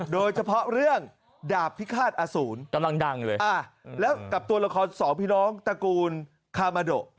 โดยเฉพาะเรื่องดาบพิฆาตอสูรกำลังดังเลยแล้วกับตัวละครสองพี่น้องตระกูลคามาโด